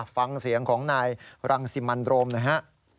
ฟังเสียงของนายรังสิมันโรมหน่อยฮะ